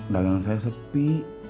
dari yang saya sepi